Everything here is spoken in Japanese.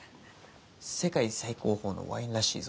世界最高峰のワインらしいぞ。